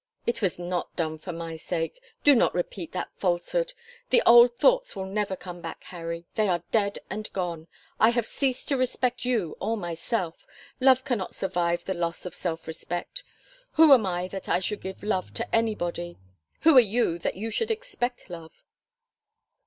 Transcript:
"It was not done for my sake. Do not repeat that falsehood. The old thoughts will never come back, Harry. They are dead and gone. I have ceased to respect you or myself. Love cannot survive the loss of self respect. Who am I that I should give love to anybody? Who are you that you should expect love?"